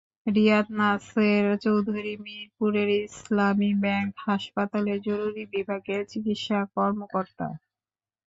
রিয়াদ নাসের চৌধুরী মিরপুরের ইসলামী ব্যাংক হাসপাতালের জরুরি বিভাগের চিকিৎসা কর্মকর্তা।